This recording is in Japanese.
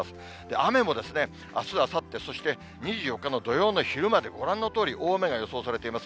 雨もあす、あさって、そして２４日の土曜の昼まで、ご覧のとおり、大雨が予想されています。